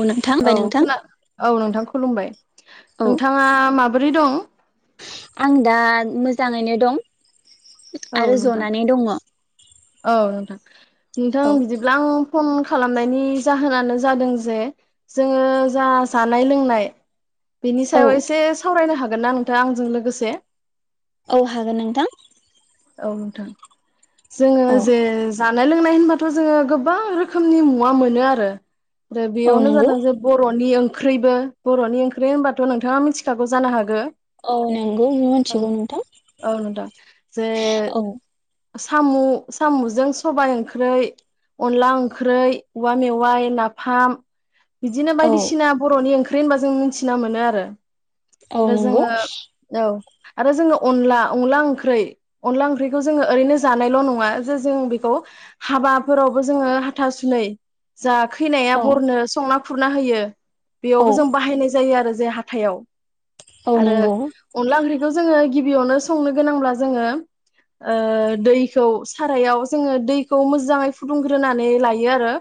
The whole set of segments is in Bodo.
औ नोंथां औ ओमफ्राय नोंथां खोना-नोंथां खुलुमबाय औ नोंथाङा माबोरै दं? आं दा मोजाङैनो दं। औ आरो नोंथां जनानै दङ। औ नोंथां। नोंथां औ बिदिब्ला आं फन खालामनायनि जाहोनानो जादों जे जोङो जा जानाय लोंनाय बेनि औ सायाव एसे सावरायनो हाग गोन ना नोंथाङा आंजों लोगोसे? औ हागोन नोंथां। औ नोंथां। जोङो औ जे जान जानाय लोंनाय होनबाथ' जोङो गोबां रोखोमनि मुवा मोनो आरो। दा औ बेयावनो नंगौ जादों जे बर'नि ओंख ओंख्रैबो बर'नि ओंख्रै होनबाथ' नोंथाङा मिथिखागौ जानो हागौ। औ नंगौ नो-मिथिगौ नोंथां औ नोंथां औ। सामु सामुजों सबाय ओंख्रै अनला ओंख्रै उवा मेवाइ नाफाम बिदिनो औ बायदिसिना बर'नि ओंख्रि दे होनबा जों मिथिना मोनो आरो। औ दा जोङो नंगौ। औ आरो जोंङो अनला अनलाओंख्रै अनला ओंख्रैखौ जोंङो ओरैनो जानायल' नंङा जे जों बेखौ हाबाफोरावबो जोंङो हाथा सुुनै जा खैनाया औ बरनो संना खुरना होयो। औ बेयावबो जों बाहायनाय जायो आरो। जे हाथायाव औ आरो नंगौ अनला ओंख्रिखौ जोंङो गिबियावनो संनो गोनांब्ला जोङो ओ‌ दैखौ सारायाव जोंङो दैखौ मोजाङै फुदुंग्रोनानै लायो आरो।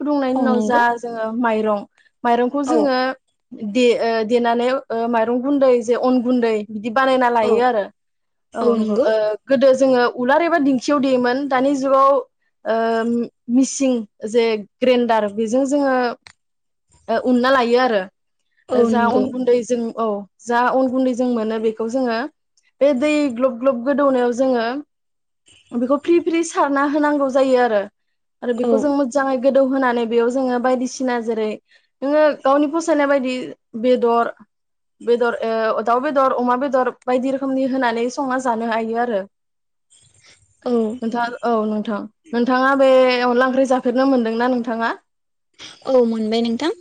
फुदुंनायनि औ उनाव जा नंगौ जोंङो माइरं माइरंखौ औ जोंङो दे ओ देनानै ओ माइरं गुन्दै जे अन गुन्दै बिदि बानायना औ लायो आरो औ नंगौ ओ गोदोस जोङो उलार एबा दिंखियाव देयोमोन दानि जुगाव ओ‌ मिसिं जे ग्रेन्डार बेजों जोङो ओ उनना लायो आरो। ओ औ जा नंगौ उन गुनदै थिं औ जा अन गुन्दै जों मोनो बेखौ जोंङो बे दै ग्लब-ग्लब गोदौनायाव जोंङो बेखौ फ्रि फ्रि सारना होनांगौ जायो आरो। आरो औ बेखौ जों मोजांङै गोदौ होनोनानै बेयाव जोंङो बायदिसिना जेरै नोंङो गावनि फसायनाय बायदि बेदर बेदर ओ दाउ बेदर अमा बेदर बायदि रोखोमनि होनानै संना जानो हायो आरो। औ नोंथाङा औ नोंथां। नोंथाङा बे अनला ओंख्रि जाफेरनो मोनदोंना नोंथाङा? औ मोनबाय नोंथां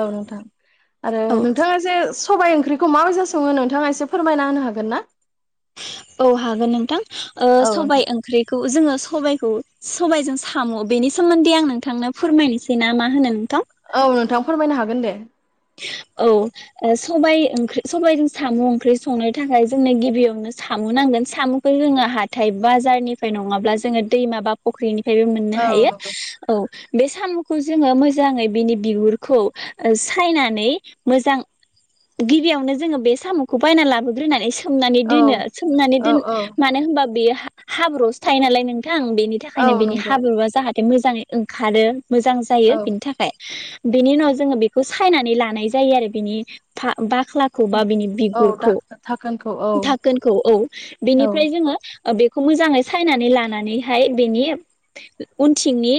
औ नोंथां आरो औ नोंथाङा जे सबाइ ओंख्रिखौ माबायसा संङो नोंथाङा एसे फोरमायना होनो हागोन ना? औ हागोन नोंथां। ओ औ सबाय नोंथां ओंख्रिखौ जोंङो सबाइखौ सबबायजों साम बेनि सोमोन्दै आं नोंथांनो फोरमायनोसै ना मा होनो नोंथां। औ नोंथां फोरमायनो हागोन दे। औ ओ सबाय ओंख्रि सबायजों साम ओंख्रि संनो थाखाय जोंनो गिबियावनो सामु नांगोन सामुखौ जोंङो हाथाय बाजारनिफ्राय नंङाब्ला जोंङो दैमा बा फख्रिनि फायबो मोननो औ हायो नंगौ औ बे सामुखौ जोंङो मोजांङै बिनि बिगुरखौ ओ जो सायनानै मोजां गिबियावनो जोंङो बे सामुखौ बायनानै लाबोग्रोनानै सो सोमनानै औ दोनो सोमनानै औ दोन औ मानो होनबा बेयो हा हा-हाब्रुआवसो थायो नालाय नों आं बेनि औ थाखायनो बिनि नंगौ हाब्रुआ जाहाथे मोजाङै ओंखारो मोजां जायो औ बिनि थाखाय बेनि उनाव जोङो बे खौ सायनानै लानाय जायो आरो बिनि भा बा ख्लाखौ बा बिनि औ बिगुरखौ दा- धाखोनखौ औ धाकोनखौ औ बेखौ मोजाङै सायनानै लानानैहाय बेनि उनथिंनि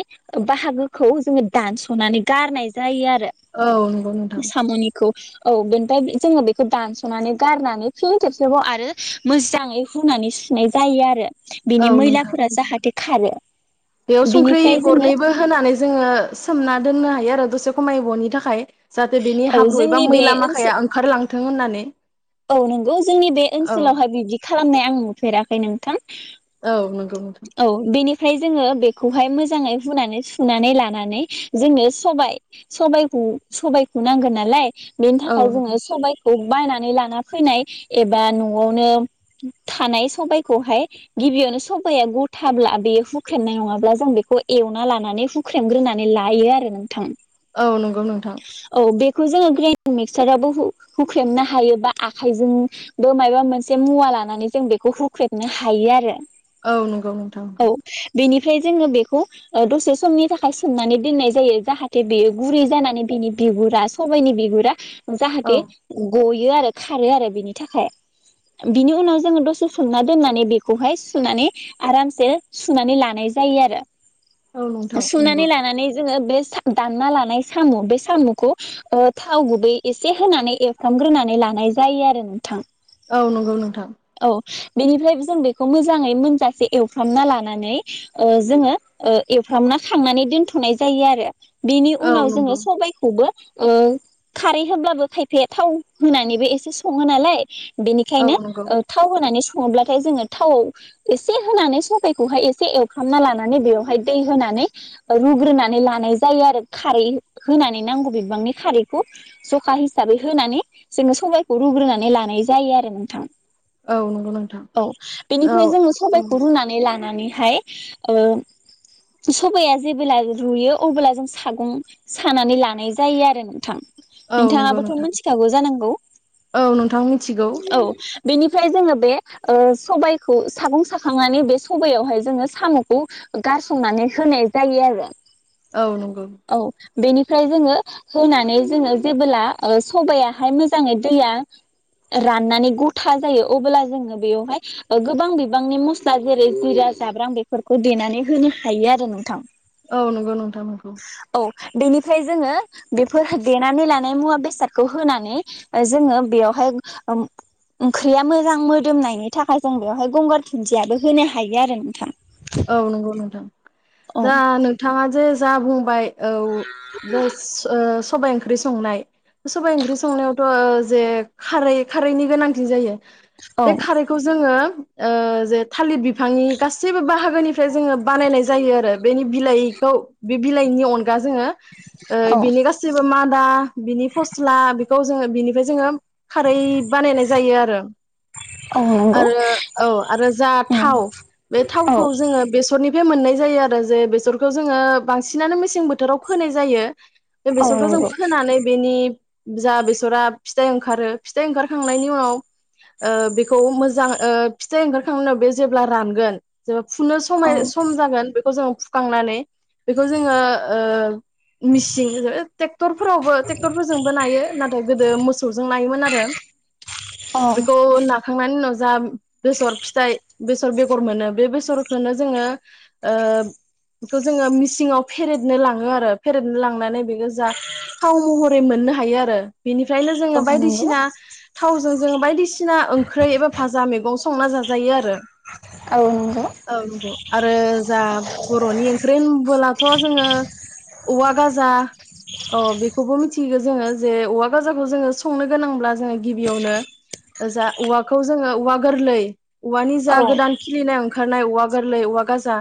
बाहागोखौ जोङो दानस'नानै गारनाय जायो आरो औ नंगौ नोंथां साम'निखौ औ बेनिफ्राय जोङो बेखौ दानस'नानै गारनानै फिन खेबसेबाव आरो मोजाङै हुनानै सुनाय जायो आरो औ बिनि नोंथां मैलाफोरा जाहाथे खारो बेयाव संख्रि बिनिफ्राय जोङो गरनैबो होनानै जोङो सोमना दोननो हायो आरो दसे खमायबनि थाखाय जाहाथे बिनि औ हाब्रु एबा जोंनि बे मैला ओनसोल माखाया ओंखारलां थों होननानै औ नंगौ जोंनि बे औ ओनसोलावहाय बिबदि खालामनाय आं नुफेराखै नोंथां औ नों औ बेनि फ्राय जोङो बेखौहाय मोजाङै हुनानै सुनानै लानानै जोंनो सबाय सबायखौ नांगोन नालाय बेनि औ थाखाय नंगौ जोङो सबाय बायनानै लाना फैनाय एबा न'आवनो थानाय सबायखौहाय गिबियावनो स सबाय आ गथाब्ला बेयो हुख्रेमनाय नङाब्ला जों बेखौ एवना लानानै हुख्रेमग्रोनानै लायो आरो नोंथां औ नंगौ नोंथां औ बेखौ जोङो ग्रे मिक्सारावबो हुख्रेबनो हायो बा आखाइजोंबो माबा मोनसे मुवा लानानै जों बेखौ हुख्रेबनो हायो आरो औ नंगौ नोंथां औ नोंगौ बेनिफ्राय जोङो बेखौ दसे समनि थाखाय सोमनानै दोननाय जायो जाहाथे बेयो गुरै जानानै बिनि बिगुरा सबायाइनि बिगुरा औ जाहाथे गय आरो खारो आरो बिनि थाखाय बिनि उनाव जोङो दसे सना दोननानै बेखौहाय सुनानै आरामसे सुनानै लानाय जायो औ आरो नोंथां नंगौ सुनानै लानानै जोङो बे दानना लानाय साम' बे साम'खौ थाव गुबै एसे होनानै एरफ्रामग्रोनानै लानाय जायो आरो नोंथां औ नंगौ नोंथां बेनिफ्रायबो जों बेखौ मोजां मोजाङै मोनजासे एवफ्रामना लानानै ओ जोङो ओ‌ एवफ्रामना खांनानै दोनथनाय जायो आरो। बेनि औ उनाव जोङो नंगौ सबायखौबो औ ख--खारै होब्लाबो खायफाया थाव होनानैबो एसे सङो नालाय औ बेनिखायनो नंगौ ओ थाव होनानै स अनब्लाथाय जोङो थावआव एसे होनानै सबाइखौहाय एसे एवफ्रामना लानानै बेवहाय दै होनानै रुग्रोनानै लानाय जायो आरो खारै होनानै नांगौ बिबांनि खारैखौ जखा हिसाबै होनानै जोङो सबायखौ रुग्रोनानै लानाय जायो आरो नोंथां औ नंगौ नोंथां औ औ बेनिफ्राय जोङो सबायखौ औ रुनानै ला लानानैहाय ओ सबाया जेबोला रुयो अबोला जों सागं सानानै लानाय जायो आरो नोंथां औ नंगौ नोंथाङाबोथ नोंथां मोन्थिखागौ जानांगौ औ नोंथां मिथिगौ औ बेनिफ्राय जोङो बे ओ सबाय खौ सागं साखांनानै बे सबयावहाय जोङो सामखौ गारसंनानै होनाय जायो आरो औ नंगौ औ बेनिफ्राय जोङो होनानै जोङो जेबोला ओ सबायाहाय मोजाङै दैया राननानै गथा जायो अबोला जोङो बेयावहाय ओ‌ गोबां बिबांनि मस्ला जेरै जिरा जाब्रां बेफोरखौ देनानै होनो हायो आरो नोंथां औ नंगौ नोंथां नोंगौ औ बेनिफ्राय जोङो बेफोरह देनानै लानाय मुवा बेसादखौ होनानै जोङो बेयावहाय ओम ओंख्रिया मोजां मोदोमनायनि थाखाय जों बेवहाय गंगार धुन्दियाबो होनो हायो आरो नोंथां औ नंगौ नोंथां औ दा नोंथाङा जे जा बुंबाय औ दोस ओस सबाइ ओंख्रि संनाय सबाइ ओंख्रि संनायावथ ओ जे खारै- खारैनि गोनांथि जायो औ बे खारैखौ जोङो ओ जे थालिर बिफांनि गासैबो बाहाग फ्राय जोङो बानायनाय जायो आरो बेनि बिलायखौ बि बिलाइनि अनगा जोङो ओ औ बिनि गासिबो मादा बिनि फस्ला खौ जोङो बिनिफ्राय जोङो खारै बानायनाय जायो आरो औ नंगौ आरो औ आरो जा औ थाव बे थाव जोङो बेसरनि निफ्राय मोननाय जायो आरो जे बेसरखौ जोङो बांसिनानो मेसें बोथोराव फोनाय जायो बे औ नंगौ औ बेसरखौ जों नंगौ फोनानै बेनि जा बेसरा फिथाइ ओंखारो फिथाइ ओंखारखांनायनि उनाव ओ बेखौ मोजां ओ फिथाइ ओंखारखांनायनि उनाव बे जेब्ला रानगोन जो फुनो समाय औ सम जागोन बेखौ जोंङ सुखांनानै बेखौ जोङो मिसिं ट्रेक्टरफोरावबो ट्रेक्टरफोरजोंबो नायो नाथाय गोदो मोसौजों नायोमोन आरो बेखौ नाखांनायनि उनाव जा बेसर फिथाइ बेसर बेगर मोनो बे बेसरखोनो जोङो ओ बेखौ जोङो मिसिङाव फेरेदनो लाङो आरो फेरेदनो लांनानै बेखौ जा थाव महरै मोननो हायो आर रो बेनिफ्रायनो जोङो बायदिसिना थावजों जोङो बायदिसिना ओंख्रै एबा भाजा मैगं संना जा जायो आरो नंगौ औ नंगौ आरो जा बर'नि ओंख्रि होनबोलाथ' जोङो औवा गाजा औ बेखौबो मिथिगो जोङो जे औवा गाजाखौ जोङो संनो गोनांब्ला जोङो गिबियावनो जा औवाखौ जोङो औवा गोरलै औवानि औ जा गोदान खि ओंखारनाय औवा गोरलै औवा गाजा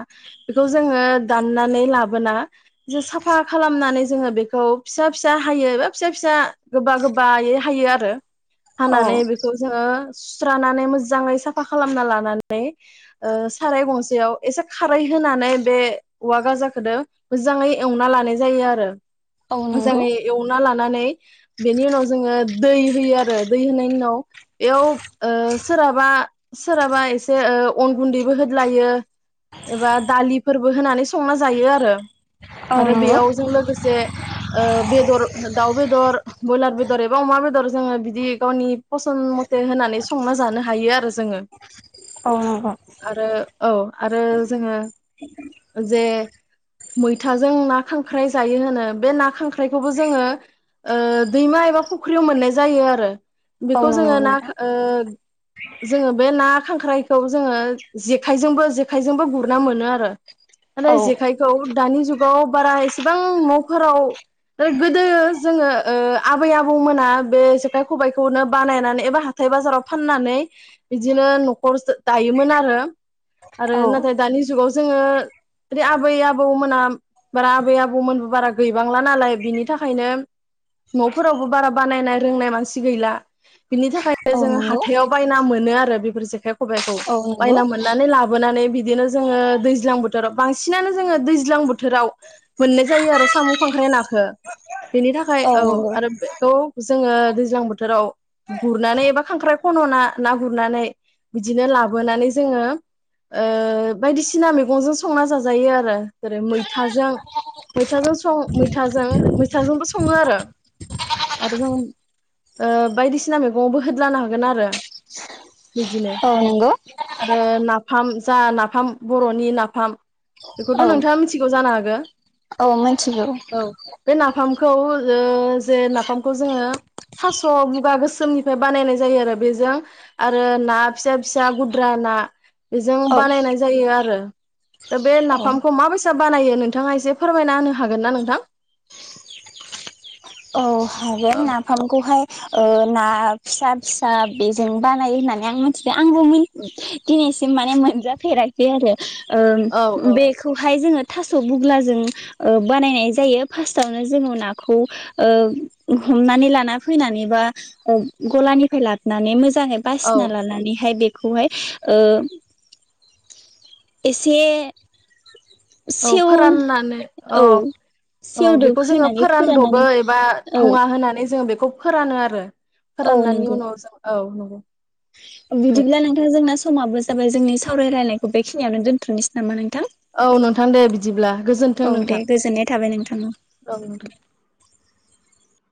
बेखौ जोङो दाननानै लाबोना एसे साफा खालामनानै जोङो बेखौ फिसा फिसा हायो एबा फिसा फिसा गोबा गोबायै हायो आरो। औ हानानै बेखौ जोङो सुस्रानानै मोजाङै साफा खालामना लानानै ओ साराय गंसेयाव एसे खारै होनानै बे औवा गाजाखोदो मोजाङै एवना लानाय जायो आरो । नंगौ मोजाङै एवना ला नानै बेनि उनाव जोङो दै होयो आरो। दै होनायनि उनाव बेयाव ओ सोरहाबा सोरहाबा एसे ओ अन गुन्दैबो होदलायो। एबा दालिफोर बो होनानै संना जायो आरो। औ आरो नंगौ बेयाव जों लोगोसे ओ बेदर दाउ बेदर बयलार बे बेदर एबा अमा बेदर जोङो बिदि गावनि फसन मथे होनानै संना जानो हायो आरो जोङो । आरो औ आरो जोङो जे मैथाजों ना खांख्राइ जायो होनो बे ना खांख्राइखौबो जोङो ओ दैमा एबा फुख्रियाव मोननाय जायो आरो। बेखौ जोङो ना ओ जोङो बे ना खांख्राइखौ जोङो जेखायजोंबो जेखायजोंबो गुरना मोनो आरो। नाथाय औ जेखायखौ दानि जुगाव बारा एसेबां न'फोराव ओ गोदो जोङो ओ आबै आबौमोना बे जेखाइ खबाइखौनो बानायनानै एबा हाथाय बाजाराव फाननानै बिदिनो न'खर जो दायोमोन आरो आरो औ नाथाय दानि जुगाव जोङो इदि आबै आबौमोना बारा आबै आबौमोनबो बारा गैबांला नालाय बिनि थाखायनो न'फोरावबो बारा बानायनाय रोंनाय मानसि गैला। बिनि थाखायनो औ जोङो नंगौ हाथायाव बायना मोनो आरो बेफोर जेखाइ ख'बाइ खौ औ नंगौ बायना मोननानै ला बोनानै बिदिनो जोङो दैज्लां बोथोराव बांसिनानो जोङो दैज्लां बोथोराव मोननाय जायो आरो साम' खांख्राइ नाखो। बेनि थाखाय औ आरो बेखौ जोङो दैज्लां बोथोराव गुरनानै एबा खांख्राइ खन'ना ना गुरनानै बिदिनो लाबोनानै जोङो ओ बायदिसिना मैगंजों संना जाजायो आरो। जेरै मैथाजों मैथाजों सं मैथाजों मैथाजोंबो सङो आरो आरो जों ओ बायदिसिना मैगंआवबो होदलानो हागोन आरो। बिदिनो औ नंगौ। आरो नाफाम जा नाफाम बर'नि नाफाम औ बेखौथ' नोंथाङा मिथिगौ जानो हागो औ मिथिगौ औ बे नाफाम खौ ओ जे नाफामखौ जोङो थास' बुगा गोसोमनिफ्राय बानायनाय जायो आरो बेजों आरो ना फिसा फिसा गुद्रा ना बेजों औ बानायनाय जायो आरो। दा बे औ नाफामखौ मा बायसा सा बानायो नोंथाङा एसे फोरमायना होनो हागोन ना नोंथां? औ। हागोन औ नाफामखौहाय ओ ना फिसा फिसा बेजों बानायो होननानै आं मिथिदों आंबो दिनैसिम माने मोनजाफेराखै आरो। ओ औ औ बेखौहाय जोङो थास' बुग्लाजों ओ बानायनाय जायो फार्स्टावनो जोङो नाखौ ओ हमनानै लाना फैनानै बा गलानिफ्राय लाबोनानै मोजां मोजाङै बासिना लानानैहाय बे खौहाय ओ एसे औ सेव फोराननानै औ औ सेवदोब बेखौ जोङो होनानै फोरानदबो फोराननानै एबा औ थङा होननानै जोङो बेख बेखौ फोरानो आरो। औ फोराननानै नंगौ उनाव जों औ नंगौ। बिदिब्ला नोंथां जोंना समाबो जाबाय जोंनि सावरायलायनायखौ बेखिनियावनो दोन्थ'नोसै नामा नो औ नोंथां दे बिदिब्ला गोजोनथों औ नोंथां दे गोजोननाय थाबाय नोंथां औ।